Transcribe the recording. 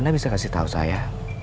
anda bisa kasih tahu saya